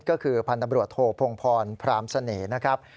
ก็คือพันธบรวจโทพงพรพรามเสน่ห์นะครับ